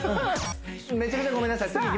めちゃめちゃごめんなさい